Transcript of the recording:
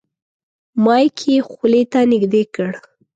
مایک یې خولې ته نږدې کړ.